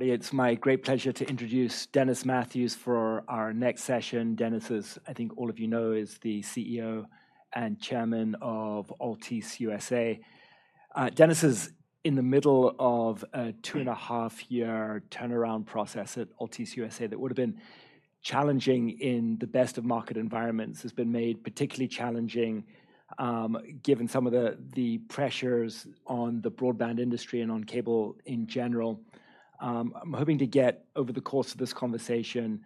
It's my great pleasure to introduce Dennis Mathew for our next session. Dennis is, I think all of you know, is the CEO and Chairman of Altice USA. Dennis is in the middle of a two-and-a-half-year turnaround process at Altice USA that would have been challenging in the best of market environments. It's been made particularly challenging given some of the pressures on the broadband industry and on cable in general. I'm hoping to get, over the course of this conversation,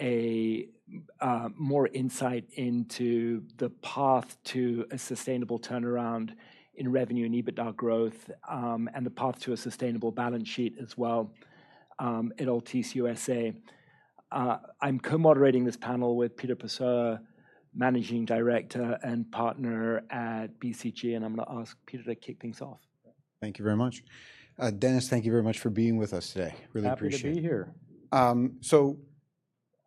more insight into the path to a sustainable turnaround in revenue and EBITDA growth, and the path to a sustainable balance sheet as well at Altice USA. I'm co-moderating this panel with Peter Pessoa, Managing Director and Partner at BCG, and I'm going to ask Peter to kick things off. Thank you very much. Dennis, thank you very much for being with us today. Really appreciate it. Happy to be here.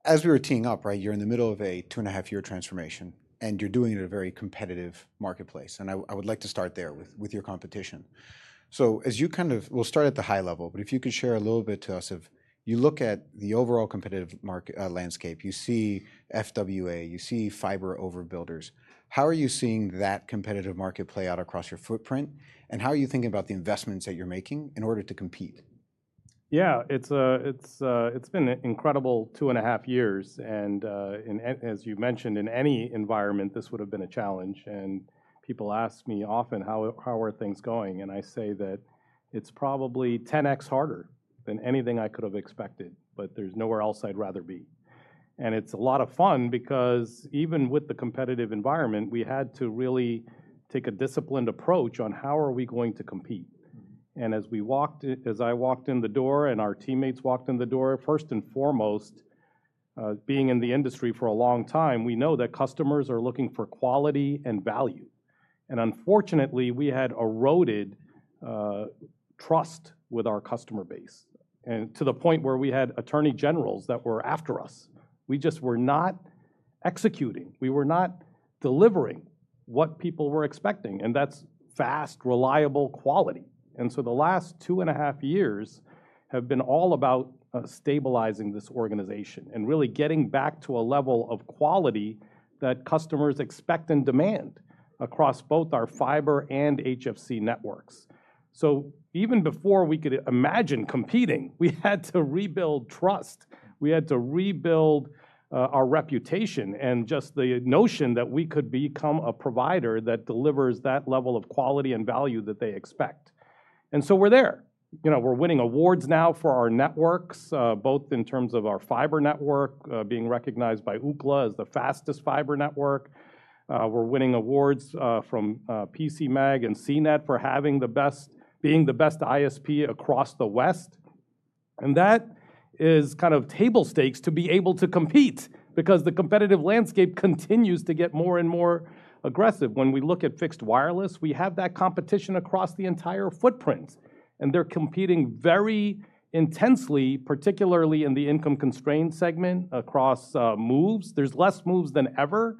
As we were teeing up, right, you're in the middle of a two-and-a-half-year transformation, and you're doing it in a very competitive marketplace. I would like to start there with your competition. As you kind of, we'll start at the high level, but if you could share a little bit to us of, you look at the overall competitive landscape, you see FWA, you see fiber overbuilders. How are you seeing that competitive market play out across your footprint, and how are you thinking about the investments that you're making in order to compete? Yeah, it's been incredible two-and-a-half years. As you mentioned, in any environment, this would have been a challenge. People ask me often, how are things going? I say that it's probably 10x harder than anything I could have expected, but there's nowhere else I'd rather be. It's a lot of fun because even with the competitive environment, we had to really take a disciplined approach on how are we going to compete. As I walked in the door and our teammates walked in the door, first and foremost, being in the industry for a long time, we know that customers are looking for quality and value. Unfortunately, we had eroded trust with our customer base, to the point where we had attorney generals that were after us. We just were not executing. We were not delivering what people were expecting, and that's fast, reliable quality. The last two-and-a-half years have been all about stabilizing this organization and really getting back to a level of quality that customers expect and demand across both our fiber and HFC networks. Even before we could imagine competing, we had to rebuild trust. We had to rebuild our reputation and just the notion that we could become a provider that delivers that level of quality and value that they expect. We're there. We're winning awards now for our networks, both in terms of our fiber network being recognized by Ookla as the fastest fiber network. We're winning awards from PCMag and CNET for being the best ISP across the West. That is kind of table stakes to be able to compete because the competitive landscape continues to get more and more aggressive. When we look at fixed wireless, we have that competition across the entire footprint, and they're competing very intensely, particularly in the income-constrained segment across moves. There's less moves than ever,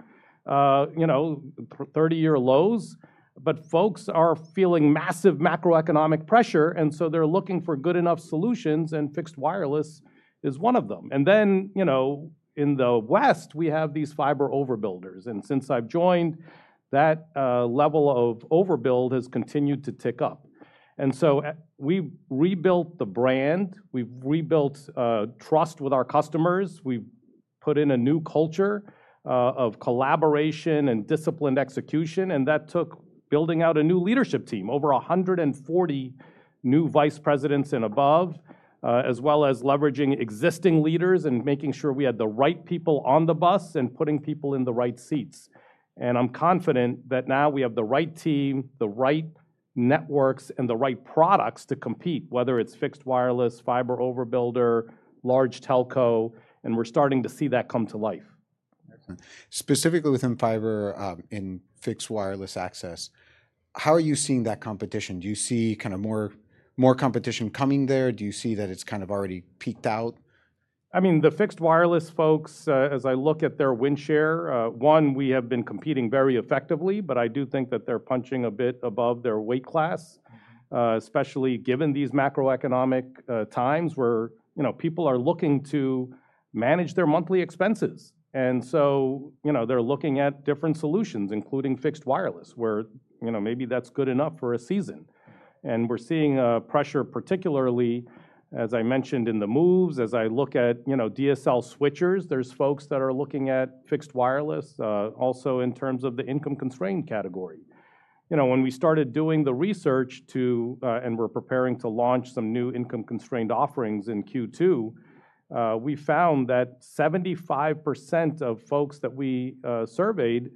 30-year lows, but folks are feeling massive macroeconomic pressure, and so they're looking for good enough solutions, and fixed wireless is one of them. In the West, we have these fiber overbuilders, and since I've joined, that level of overbuild has continued to tick up. We rebuilt the brand. We've rebuilt trust with our customers. We've put in a new culture of collaboration and disciplined execution, and that took building out a new leadership team, over 140 new vice presidents and above, as well as leveraging existing leaders and making sure we had the right people on the bus and putting people in the right seats. I'm confident that now we have the right team, the right networks, and the right products to compete, whether it's fixed wireless, fiber overbuilder, large telco, and we're starting to see that come to life. Specifically within fiber and fixed wireless access, how are you seeing that competition? Do you see kind of more competition coming there? Do you see that it's kind of already peaked out? I mean, the fixed wireless folks, as I look at their win share, one, we have been competing very effectively, but I do think that they're punching a bit above their weight class, especially given these macroeconomic times where people are looking to manage their monthly expenses. They're looking at different solutions, including fixed wireless, where maybe that's good enough for a season. We're seeing pressure, particularly, as I mentioned, in the moves. As I look at DSL switchers, there's folks that are looking at fixed wireless, also in terms of the income-constrained category. When we started doing the research and were preparing to launch some new income-constrained offerings in Q2, we found that 75% of folks that we surveyed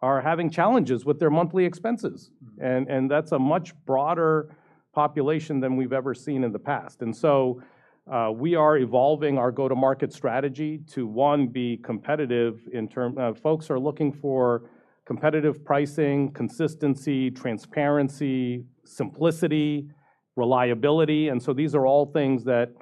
are having challenges with their monthly expenses. That's a much broader population than we've ever seen in the past. We are evolving our go-to-market strategy to, one, be competitive in terms of folks are looking for competitive pricing, consistency, transparency, simplicity, reliability. These are all things that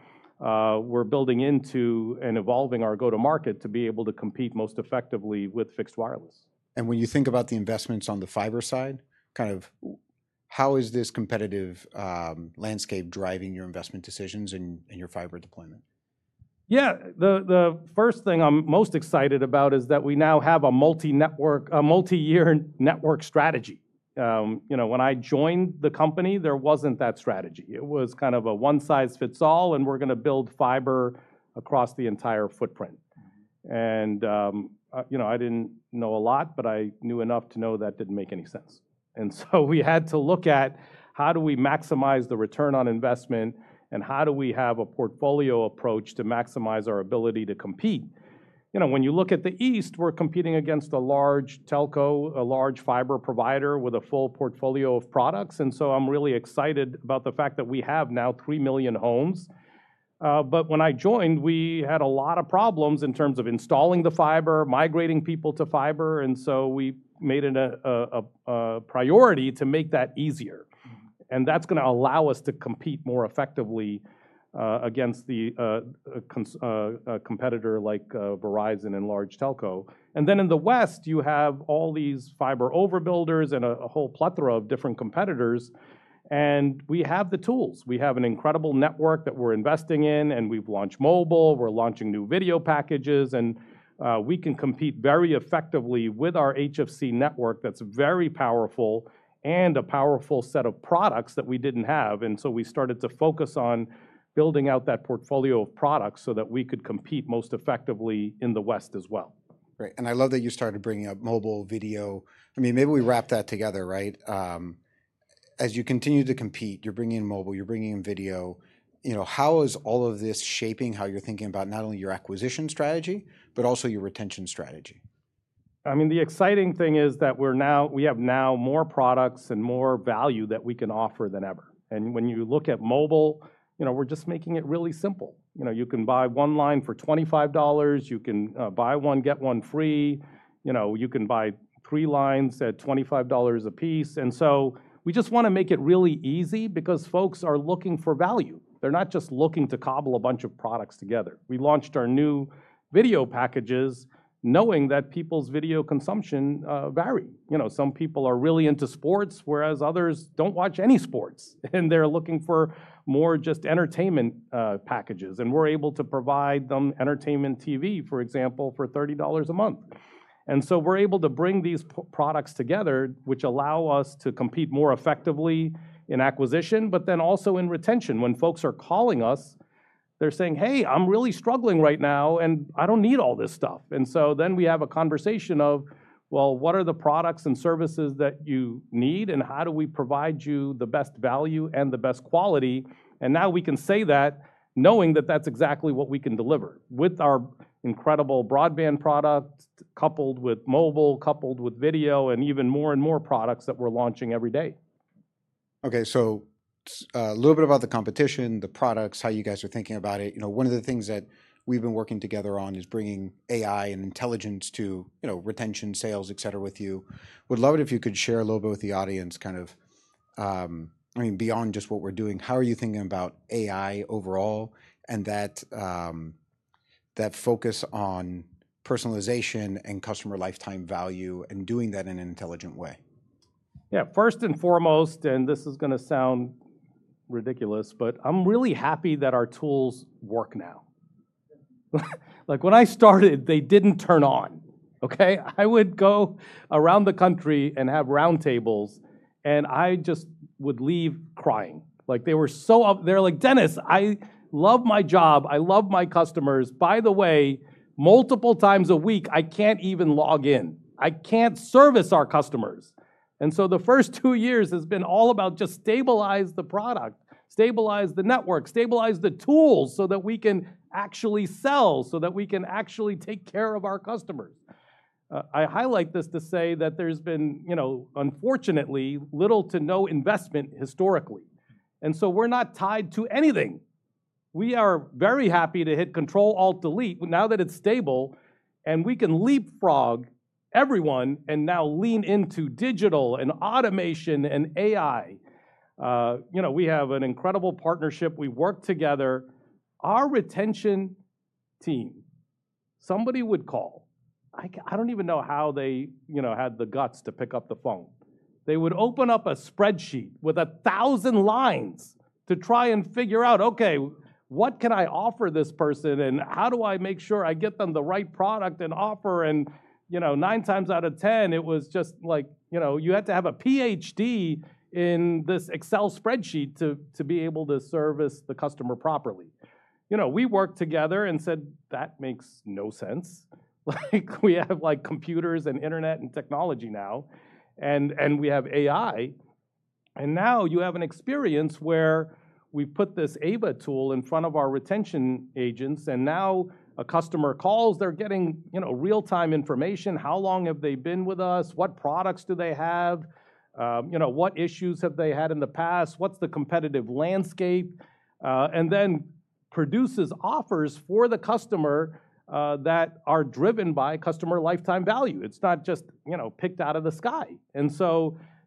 we're building into and evolving our go-to-market to be able to compete most effectively with fixed wireless. When you think about the investments on the fiber side, kind of how is this competitive landscape driving your investment decisions and your fiber deployment? Yeah, the first thing I'm most excited about is that we now have a multi-year network strategy. When I joined the company, there wasn't that strategy. It was kind of a one-size-fits-all, and we're going to build fiber across the entire footprint. I didn't know a lot, but I knew enough to know that didn't make any sense. We had to look at how do we maximize the return on investment and how do we have a portfolio approach to maximize our ability to compete. When you look at the East, we're competing against a large telco, a large fiber provider with a full portfolio of products. I'm really excited about the fact that we have now 3 million homes. When I joined, we had a lot of problems in terms of installing the fiber, migrating people to fiber. We made it a priority to make that easier. That is going to allow us to compete more effectively against a competitor like Verizon and large telco. In the West, you have all these fiber overbuilders and a whole plethora of different competitors. We have the tools. We have an incredible network that we are investing in, and we have launched mobile. We are launching new video packages, and we can compete very effectively with our HFC network that is very powerful and a powerful set of products that we did not have. We started to focus on building out that portfolio of products so that we could compete most effectively in the West as well. Great. I love that you started bringing up mobile, video. I mean, maybe we wrap that together, right? As you continue to compete, you're bringing in mobile, you're bringing in video. How is all of this shaping how you're thinking about not only your acquisition strategy, but also your retention strategy? I mean, the exciting thing is that we have now more products and more value that we can offer than ever. When you look at mobile, we're just making it really simple. You can buy one line for $25. You can buy one, get one free. You can buy three lines at $25 a piece. We just want to make it really easy because folks are looking for value. They're not just looking to cobble a bunch of products together. We launched our new video packages knowing that people's video consumption varies. Some people are really into sports, whereas others don't watch any sports, and they're looking for more just entertainment packages. We're able to provide them Entertainment TV, for example, for $30 a month. We are able to bring these products together, which allow us to compete more effectively in acquisition, but then also in retention. When folks are calling us, they're saying, "Hey, I'm really struggling right now, and I don't need all this stuff." We have a conversation of, "What are the products and services that you need, and how do we provide you the best value and the best quality?" Now we can say that knowing that that's exactly what we can deliver with our incredible broadband products coupled with mobile, coupled with video, and even more and more products that we're launching every day. Okay, so a little bit about the competition, the products, how you guys are thinking about it. One of the things that we've been working together on is bringing AI and intelligence to retention, sales, et cetera, with you. Would love it if you could share a little bit with the audience, kind of, I mean, beyond just what we're doing, how are you thinking about AI overall and that focus on personalization and customer lifetime value and doing that in an intelligent way? Yeah, first and foremost, and this is going to sound ridiculous, but I'm really happy that our tools work now. Like when I started, they didn't turn on, okay? I would go around the country and have round tables, and I just would leave crying. Like they were so up there, like, "Dennis, I love my job. I love my customers. By the way, multiple times a week, I can't even log in. I can't service our customers." The first two years has been all about just stabilize the product, stabilize the network, stabilize the tools so that we can actually sell, so that we can actually take care of our customers. I highlight this to say that there's been, unfortunately, little to no investment historically. We are not tied to anything. We are very happy to hit Control, Alt, Delete now that it's stable, and we can leapfrog everyone and now lean into digital and automation and AI. We have an incredible partnership. We work together. Our retention team, somebody would call. I don't even know how they had the guts to pick up the phone. They would open up a spreadsheet with 1,000 lines to try and figure out, "Okay, what can I offer this person, and how do I make sure I get them the right product and offer?" Nine times out of 10, it was just like you had to have a PhD in this Excel spreadsheet to be able to service the customer properly. We worked together and said, "That makes no sense." We have computers and internet and technology now, and we have AI. You have an experience where we put this ABA tool in front of our retention agents, and now a customer calls. They're getting real-time information. How long have they been with us? What products do they have? What issues have they had in the past? What's the competitive landscape? It then produces offers for the customer that are driven by customer lifetime value. It's not just picked out of the sky.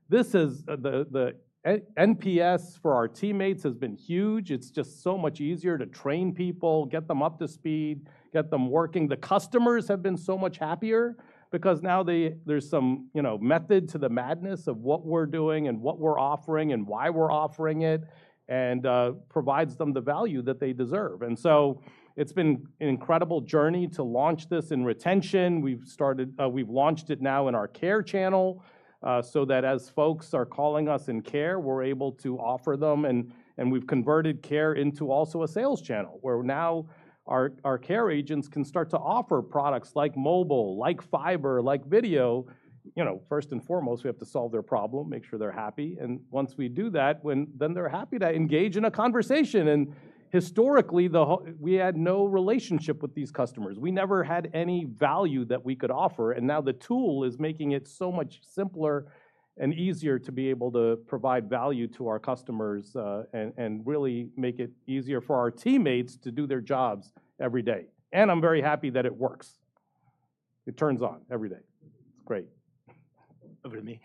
This is the NPS for our teammates and has been huge. It's just so much easier to train people, get them up to speed, get them working. The customers have been so much happier because now there's some method to the madness of what we're doing and what we're offering and why we're offering it and provides them the value that they deserve. It's been an incredible journey to launch this in retention. We've launched it now in our care channel so that as folks are calling us in care, we're able to offer them. We've converted care into also a sales channel where now our care agents can start to offer products like mobile, like fiber, like video. First and foremost, we have to solve their problem, make sure they're happy. Once we do that, they're happy to engage in a conversation. Historically, we had no relationship with these customers. We never had any value that we could offer. Now the tool is making it so much simpler and easier to be able to provide value to our customers and really make it easier for our teammates to do their jobs every day. I'm very happy that it works. It turns on every day. It's great. Over to me.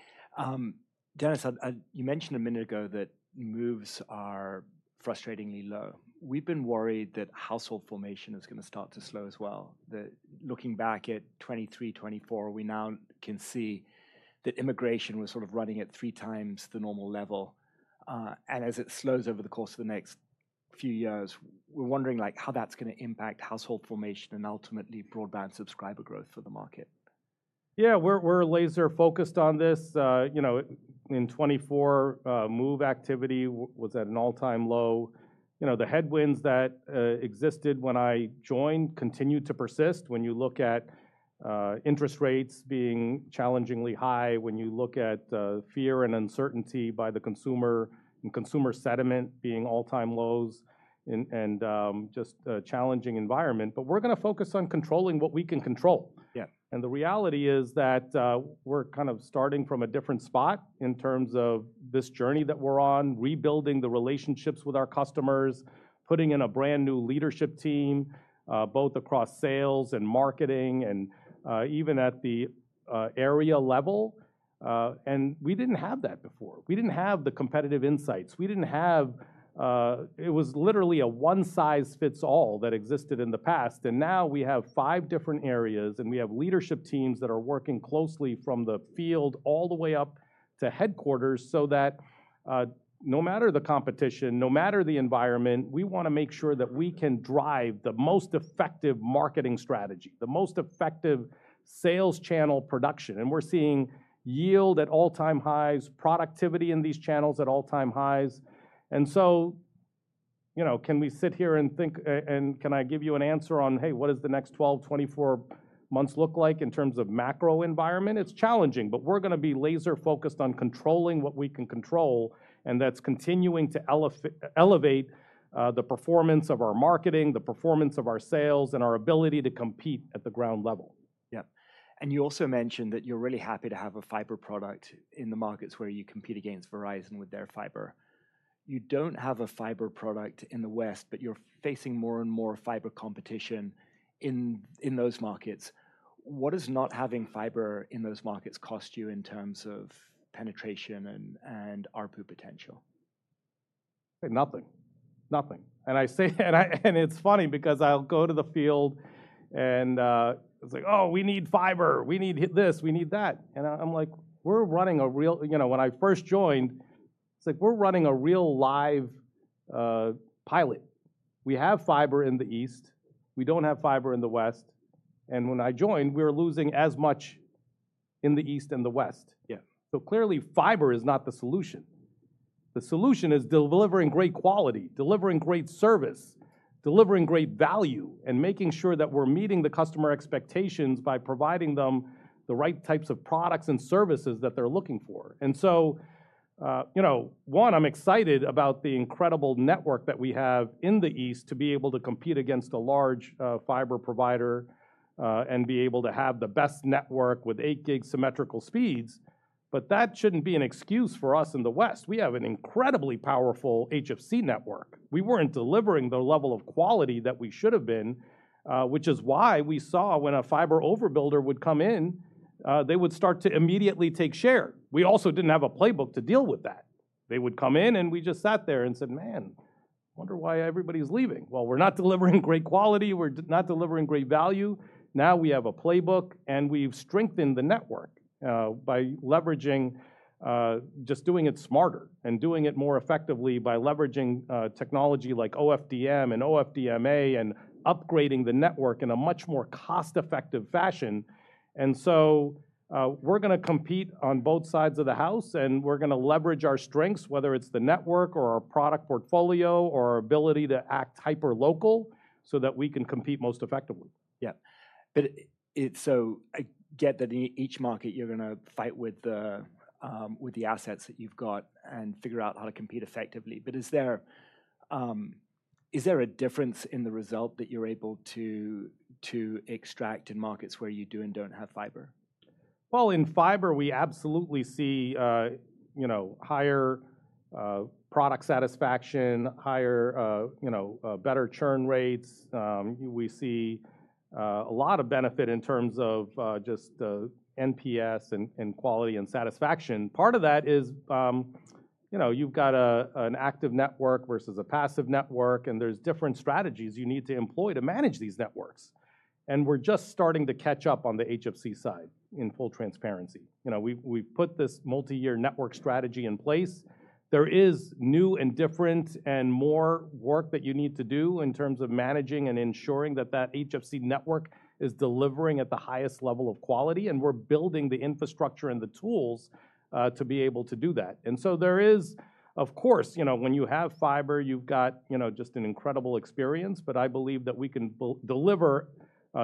Dennis, you mentioned a minute ago that moves are frustratingly low. We've been worried that household formation is going to start to slow as well. Looking back at 2023, 2024, we now can see that immigration was sort of running at three times the normal level. As it slows over the course of the next few years, we're wondering how that's going to impact household formation and ultimately broadband subscriber growth for the market. Yeah, we're laser-focused on this. In 2024, move activity was at an all-time low. The headwinds that existed when I joined continued to persist. When you look at interest rates being challengingly high, when you look at fear and uncertainty by the consumer and consumer sentiment being all-time lows and just a challenging environment. We're going to focus on controlling what we can control. The reality is that we're kind of starting from a different spot in terms of this journey that we're on, rebuilding the relationships with our customers, putting in a brand new leadership team, both across sales and marketing and even at the area level. We didn't have that before. We didn't have the competitive insights. We didn't have it was literally a one-size-fits-all that existed in the past. We have five different areas, and we have leadership teams that are working closely from the field all the way up to headquarters so that no matter the competition, no matter the environment, we want to make sure that we can drive the most effective marketing strategy, the most effective sales channel production. We're seeing yield at all-time highs, productivity in these channels at all-time highs. Can we sit here and think, and can I give you an answer on, "Hey, what does the next 12, 24 months look like in terms of macro environment?" It's challenging, but we're going to be laser-focused on controlling what we can control. That's continuing to elevate the performance of our marketing, the performance of our sales, and our ability to compete at the ground level. Yeah. You also mentioned that you're really happy to have a fiber product in the markets where you compete against Verizon with their fiber. You don't have a fiber product in the West, but you're facing more and more fiber competition in those markets. What does not having fiber in those markets cost you in terms of penetration and RPU potential? Nothing. Nothing. It's funny because I'll go to the field and it's like, "Oh, we need fiber. We need this. We need that." I'm like, "We're running a real..." When I first joined, it's like, "We're running a real live pilot. We have fiber in the East. We don't have fiber in the West." When I joined, we were losing as much in the East and the West. Clearly, fiber is not the solution. The solution is delivering great quality, delivering great service, delivering great value, and making sure that we're meeting the customer expectations by providing them the right types of products and services that they're looking for. One, I'm excited about the incredible network that we have in the East to be able to compete against a large fiber provider and be able to have the best network with 8 gig symmetrical speeds. That shouldn't be an excuse for us in the West. We have an incredibly powerful HFC network. We weren't delivering the level of quality that we should have been, which is why we saw when a fiber overbuilder would come in, they would start to immediately take share. We also didn't have a playbook to deal with that. They would come in, and we just sat there and said, "Man, I wonder why everybody's leaving." We're not delivering great quality. We're not delivering great value. Now we have a playbook, and we've strengthened the network by leveraging just doing it smarter and doing it more effectively by leveraging technology like OFDM and OFDMA and upgrading the network in a much more cost-effective fashion. We're going to compete on both sides of the house, and we're going to leverage our strengths, whether it's the network or our product portfolio or our ability to act hyper-local so that we can compete most effectively. Yeah. I get that in each market, you're going to fight with the assets that you've got and figure out how to compete effectively. Is there a difference in the result that you're able to extract in markets where you do and don't have fiber? In fiber, we absolutely see higher product satisfaction, better churn rates. We see a lot of benefit in terms of just NPS and quality and satisfaction. Part of that is you've got an active network versus a passive network, and there's different strategies you need to employ to manage these networks. We're just starting to catch up on the HFC side in full transparency. We've put this multi-year network strategy in place. There is new and different and more work that you need to do in terms of managing and ensuring that that HFC network is delivering at the highest level of quality. We're building the infrastructure and the tools to be able to do that. There is, of course, when you have fiber, you've got just an incredible experience. I believe that we can deliver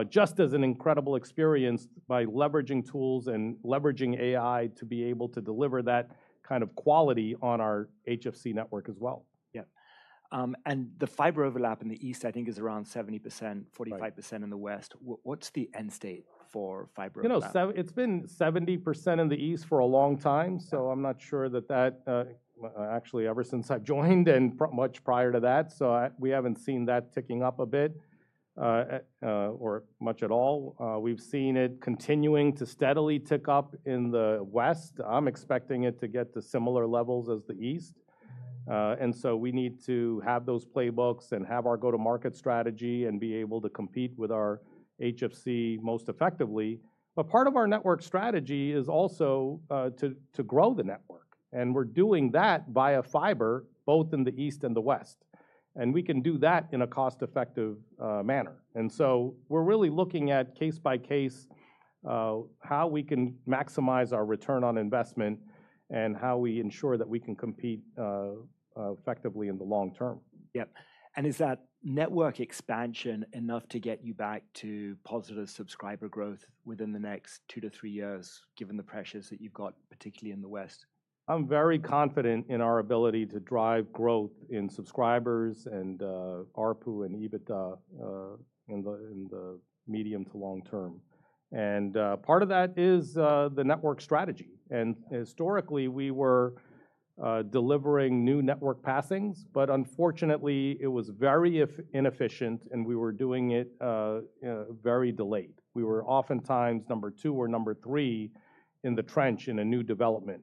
just as an incredible experience by leveraging tools and leveraging AI to be able to deliver that kind of quality on our HFC network as well. Yeah. The fiber overlap in the East, I think, is around 70%, 45% in the West. What's the end state for fiber overlap? It's been 70% in the East for a long time. I'm not sure that that actually ever since I've joined and much prior to that. We haven't seen that ticking up a bit or much at all. We've seen it continuing to steadily tick up in the West. I'm expecting it to get to similar levels as the East. We need to have those playbooks and have our go-to-market strategy and be able to compete with our HFC most effectively. Part of our network strategy is also to grow the network. We're doing that via fiber both in the East and the West. We can do that in a cost-effective manner. We're really looking at case by case how we can maximize our return on investment and how we ensure that we can compete effectively in the long term. Yeah. Is that network expansion enough to get you back to positive subscriber growth within the next two to three years, given the pressures that you've got, particularly in the West? I'm very confident in our ability to drive growth in subscribers and RPU and EBITDA in the medium to long term. Part of that is the network strategy. Historically, we were delivering new network passings, but unfortunately, it was very inefficient, and we were doing it very delayed. We were oftentimes number two or number three in the trench in a new development.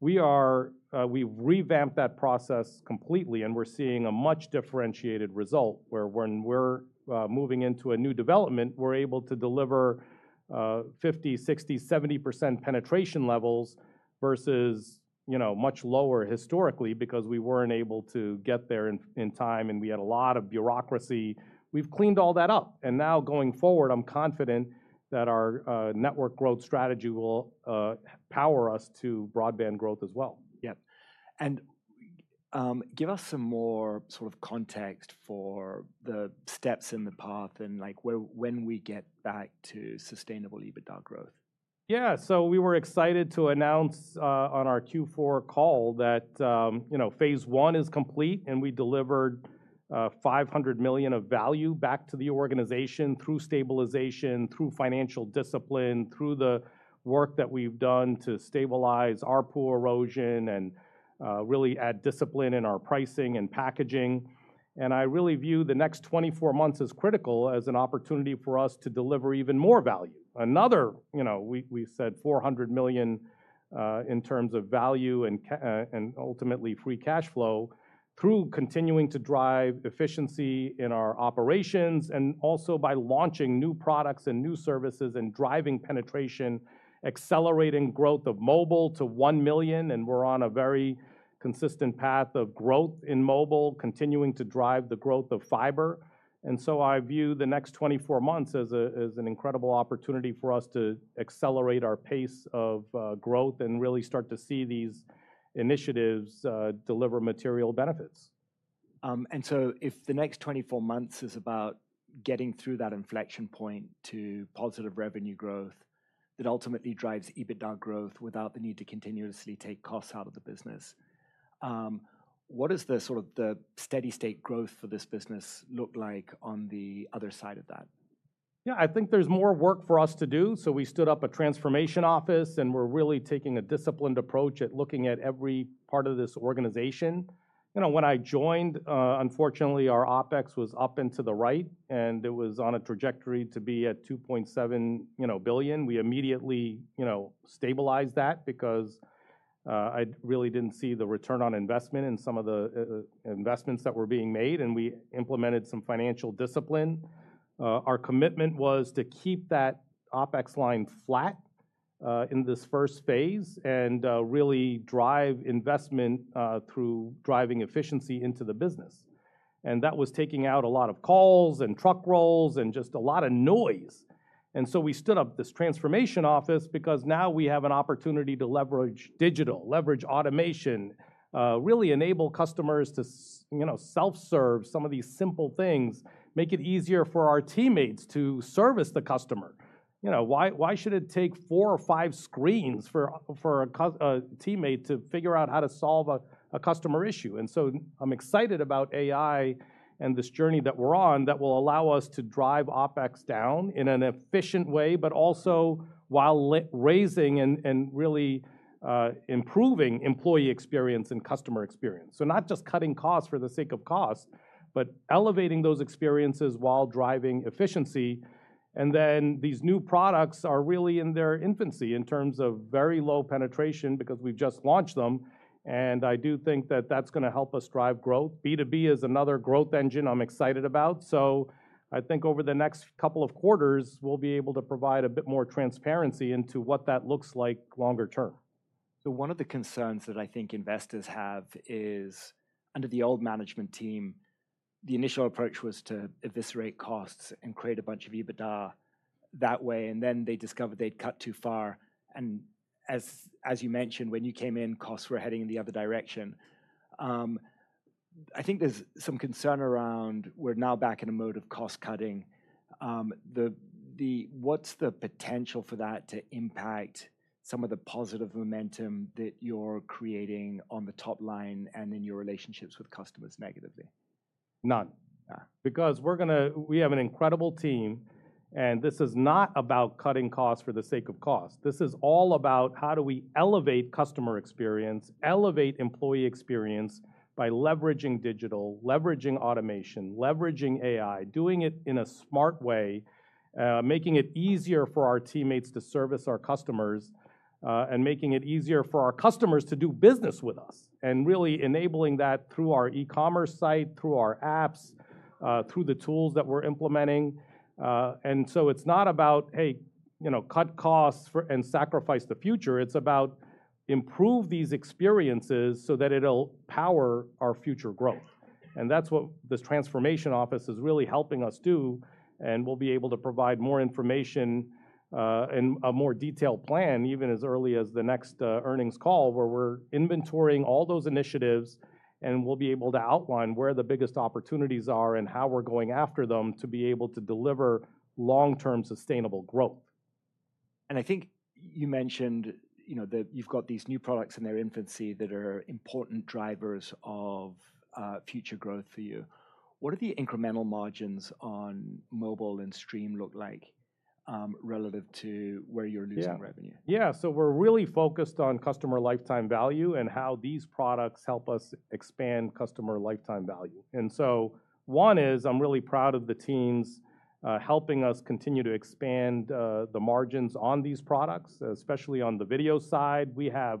We have revamped that process completely, and we're seeing a much differentiated result where when we're moving into a new development, we're able to deliver 50-60-70% penetration levels versus much lower historically because we weren't able to get there in time, and we had a lot of bureaucracy. We've cleaned all that up. Now going forward, I'm confident that our network growth strategy will power us to broadband growth as well. Yeah. Give us some more sort of context for the steps in the path and when we get back to sustainable EBITDA growth. Yeah. We were excited to announce on our Q4 call that phase one is complete, and we delivered $500 million of value back to the organization through stabilization, through financial discipline, through the work that we've done to stabilize our core erosion and really add discipline in our pricing and packaging. I really view the next 24 months as critical as an opportunity for us to deliver even more value. Another, we said $400 million in terms of value and ultimately free cash flow through continuing to drive efficiency in our operations and also by launching new products and new services and driving penetration, accelerating growth of mobile to 1 million. We're on a very consistent path of growth in mobile, continuing to drive the growth of fiber. I view the next 24 months as an incredible opportunity for us to accelerate our pace of growth and really start to see these initiatives deliver material benefits. If the next 24 months is about getting through that inflection point to positive revenue growth that ultimately drives EBITDA growth without the need to continuously take costs out of the business, what does the sort of steady-state growth for this business look like on the other side of that? Yeah, I think there's more work for us to do. We stood up a transformation office, and we're really taking a disciplined approach at looking at every part of this organization. When I joined, unfortunately, our OPEX was up and to the right, and it was on a trajectory to be at $2.7 billion. We immediately stabilized that because I really didn't see the return on investment in some of the investments that were being made. We implemented some financial discipline. Our commitment was to keep that OPEX line flat in this first phase and really drive investment through driving efficiency into the business. That was taking out a lot of calls and truck rolls and just a lot of noise. We stood up this transformation office because now we have an opportunity to leverage digital, leverage automation, really enable customers to self-serve some of these simple things, make it easier for our teammates to service the customer. Why should it take four or five screens for a teammate to figure out how to solve a customer issue? I am excited about AI and this journey that we are on that will allow us to drive OPEX down in an efficient way, but also while raising and really improving employee experience and customer experience. Not just cutting costs for the sake of cost, but elevating those experiences while driving efficiency. These new products are really in their infancy in terms of very low penetration because we have just launched them. I do think that is going to help us drive growth. B2B is another growth engine I'm excited about. I think over the next couple of quarters, we'll be able to provide a bit more transparency into what that looks like longer term. One of the concerns that I think investors have is under the old management team, the initial approach was to eviscerate costs and create a bunch of EBITDA that way. Then they discovered they'd cut too far. As you mentioned, when you came in, costs were heading in the other direction. I think there's some concern around we're now back in a mode of cost cutting. What's the potential for that to impact some of the positive momentum that you're creating on the top line and in your relationships with customers negatively? None. Because we have an incredible team, and this is not about cutting costs for the sake of cost. This is all about how do we elevate customer experience, elevate employee experience by leveraging digital, leveraging automation, leveraging AI, doing it in a smart way, making it easier for our teammates to service our customers, and making it easier for our customers to do business with us, and really enabling that through our e-commerce site, through our apps, through the tools that we're implementing. It is not about, hey, cut costs and sacrifice the future. It is about improving these experiences so that it'll power our future growth. That is what this transformation office is really helping us do. We will be able to provide more information and a more detailed plan even as early as the next earnings call where we are inventorying all those initiatives, and we will be able to outline where the biggest opportunities are and how we are going after them to be able to deliver long-term sustainable growth. I think you mentioned that you've got these new products in their infancy that are important drivers of future growth for you. What do the incremental margins on mobile and stream look like relative to where you're losing revenue? Yeah. We are really focused on customer lifetime value and how these products help us expand customer lifetime value. One is I'm really proud of the teams helping us continue to expand the margins on these products, especially on the video side. We have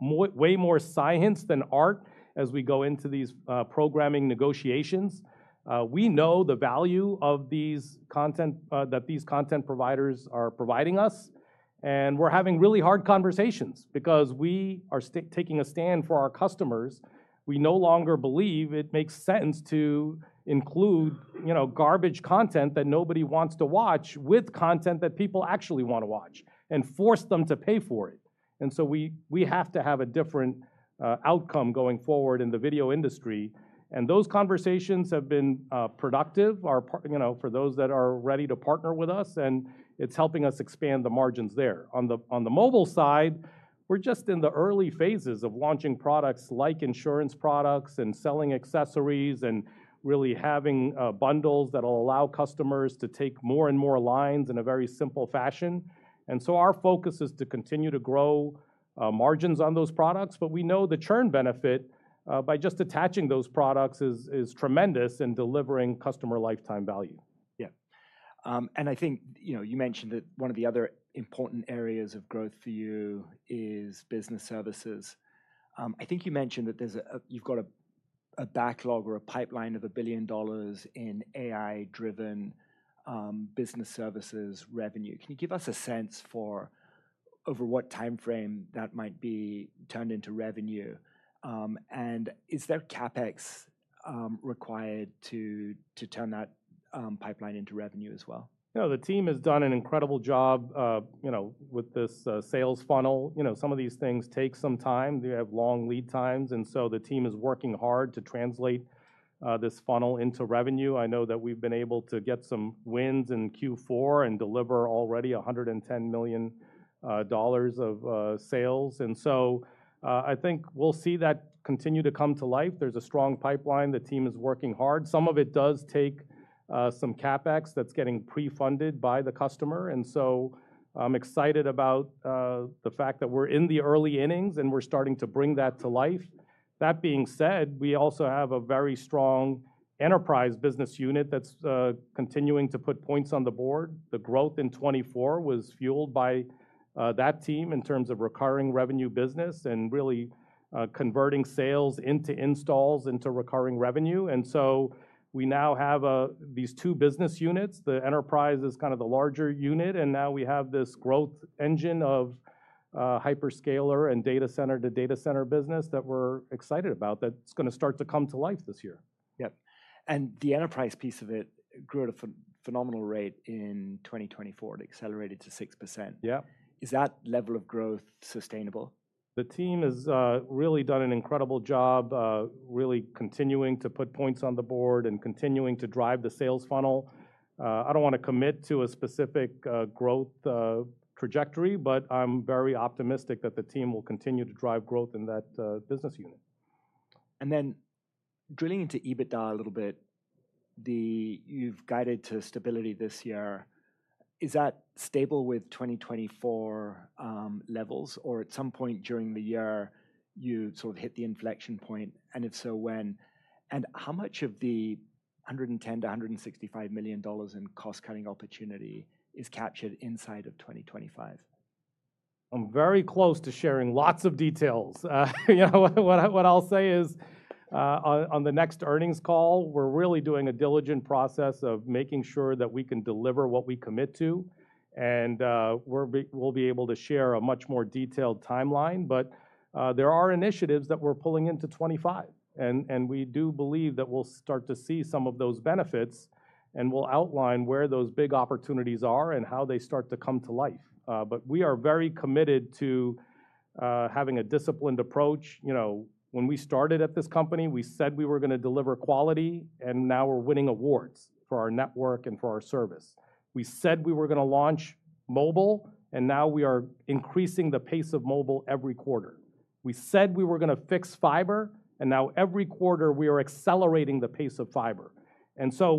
way more science than art as we go into these programming negotiations. We know the value of the content that these content providers are providing us. We are having really hard conversations because we are taking a stand for our customers. We no longer believe it makes sense to include garbage content that nobody wants to watch with content that people actually want to watch and force them to pay for it. We have to have a different outcome going forward in the video industry. Those conversations have been productive for those that are ready to partner with us. It is helping us expand the margins there. On the mobile side, we are just in the early phases of launching products like insurance products and selling accessories and really having bundles that will allow customers to take more and more lines in a very simple fashion. Our focus is to continue to grow margins on those products. We know the churn benefit by just attaching those products is tremendous in delivering customer lifetime value. Yeah. I think you mentioned that one of the other important areas of growth for you is business services. I think you mentioned that you've got a backlog or a pipeline of $1 billion in AI-driven business services revenue. Can you give us a sense for over what time frame that might be turned into revenue? Is there CapEx required to turn that pipeline into revenue as well? Yeah. The team has done an incredible job with this sales funnel. Some of these things take some time. They have long lead times. The team is working hard to translate this funnel into revenue. I know that we've been able to get some wins in Q4 and deliver already $110 million of sales. I think we'll see that continue to come to life. There's a strong pipeline. The team is working hard. Some of it does take some CapEx that's getting pre-funded by the customer. I'm excited about the fact that we're in the early innings and we're starting to bring that to life. That being said, we also have a very strong enterprise business unit that's continuing to put points on the board. The growth in 2024 was fueled by that team in terms of recurring revenue business and really converting sales into installs into recurring revenue. We now have these two business units. The enterprise is kind of the larger unit. We now have this growth engine of hyperscaler and data center to data center business that we are excited about that is going to start to come to life this year. Yeah. The enterprise piece of it grew at a phenomenal rate in 2024. It accelerated to 6%. Yeah. Is that level of growth sustainable? The team has really done an incredible job, really continuing to put points on the board and continuing to drive the sales funnel. I don't want to commit to a specific growth trajectory, but I'm very optimistic that the team will continue to drive growth in that business unit. Drilling into EBITDA a little bit, you've guided to stability this year. Is that stable with 2024 levels, or at some point during the year, you sort of hit the inflection point? If so, when? How much of the $110-$165 million in cost-cutting opportunity is captured inside of 2025? I'm very close to sharing lots of details. What I'll say is on the next earnings call, we're really doing a diligent process of making sure that we can deliver what we commit to. We'll be able to share a much more detailed timeline. There are initiatives that we're pulling into 2025. We do believe that we'll start to see some of those benefits, and we'll outline where those big opportunities are and how they start to come to life. We are very committed to having a disciplined approach. When we started at this company, we said we were going to deliver quality, and now we're winning awards for our network and for our service. We said we were going to launch mobile, and now we are increasing the pace of mobile every quarter. We said we were going to fix fiber, and now every quarter, we are accelerating the pace of fiber.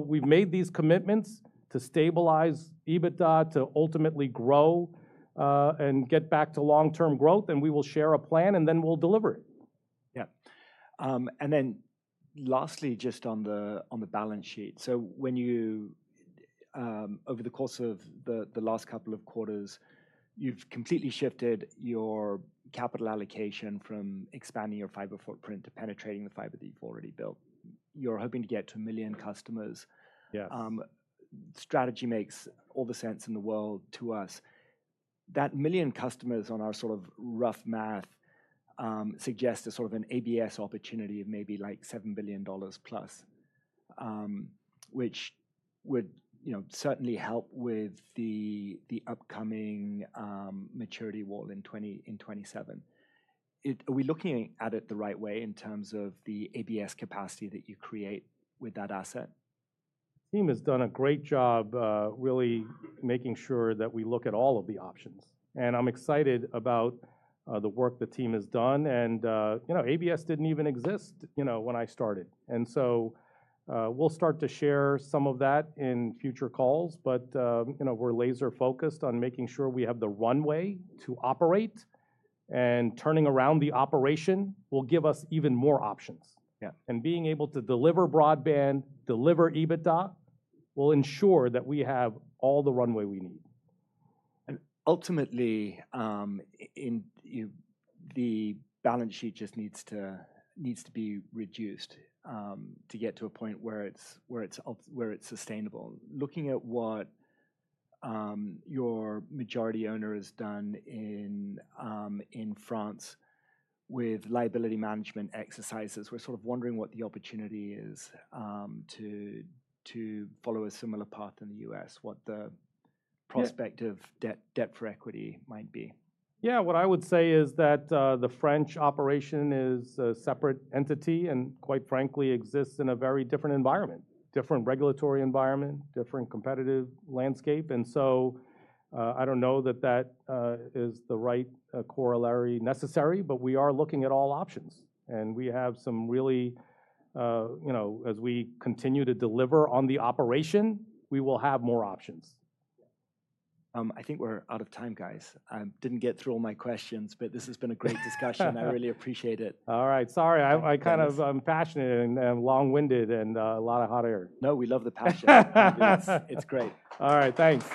We have made these commitments to stabilize EBITDA, to ultimately grow and get back to long-term growth. We will share a plan, and then we will deliver it. Yeah. Lastly, just on the balance sheet, over the course of the last couple of quarters, you've completely shifted your capital allocation from expanding your fiber footprint to penetrating the fiber that you've already built. You're hoping to get to a million customers. Yes. Strategy makes all the sense in the world to us. That million customers on our sort of rough math suggests a sort of an ABS opportunity of maybe like $7+ billion, which would certainly help with the upcoming maturity wall in 2027. Are we looking at it the right way in terms of the ABS capacity that you create with that asset? The team has done a great job really making sure that we look at all of the options. I'm excited about the work the team has done. ABS didn't even exist when I started. We'll start to share some of that in future calls. We're laser-focused on making sure we have the runway to operate. Turning around the operation will give us even more options. Being able to deliver broadband, deliver EBITDA, will ensure that we have all the runway we need. Ultimately, the balance sheet just needs to be reduced to get to a point where it's sustainable. Looking at what your majority owner has done in France with liability management exercises, we're sort of wondering what the opportunity is to follow a similar path in the U.S., what the prospective debt for equity might be. Yeah. What I would say is that the French operation is a separate entity and, quite frankly, exists in a very different environment, different regulatory environment, different competitive landscape. I don't know that that is the right corollary necessary, but we are looking at all options. We have some really, as we continue to deliver on the operation, we will have more options. I think we're out of time, guys. I didn't get through all my questions, but this has been a great discussion. I really appreciate it. All right. Sorry. I kind of, I'm passionate and long-winded and a lot of hot air. No, we love the passion. It's great. All right. Thanks.